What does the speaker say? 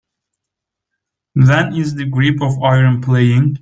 When is The Grip of Iron playing